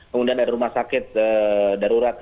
kemudian ada rumah sakit darurat